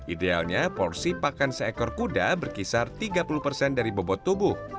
idealnya porsi pakan seekor kuda berkisar tiga puluh persen dari bobot tubuh